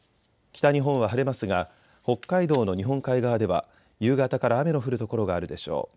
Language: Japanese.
北日本は晴れますが北海道の日本海側では夕方から雨の降る所があるでしょう。